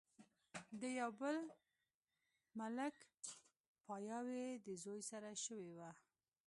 د يو بل ملک پاياوي د زوي سره شوې وه